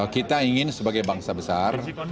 kita ingin sebagai bangsa besar